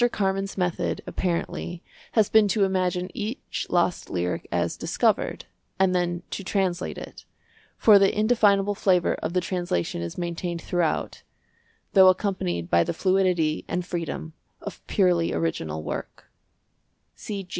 Carman's method, apparently, has been to imagine each lost lyric as discovered, and then to translate it; for the indefinable flavour of the translation is maintained throughout, though accompanied by the fluidity and freedom of purely original work.